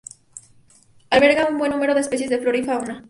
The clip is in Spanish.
Alberga un buen número de especies de flora y fauna.